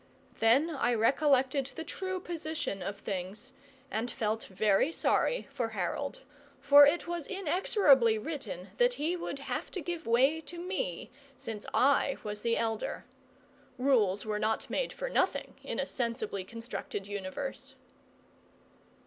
Then I recollected the true position of things, and felt very sorry for Harold; for it was inexorably written that he would have to give way to me, since I was the elder. Rules were not made for nothing, in a sensibly constructed universe.